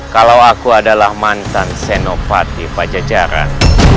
kalau aku adalah mantan senopati pajajaran